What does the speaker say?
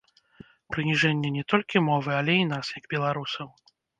Прыніжэнне не толькі мовы, але і нас, як беларусаў!